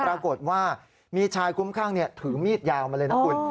ปรากฏว่ามีชายคุ้มข้างถือมีดยาวมาเลยนะคุณ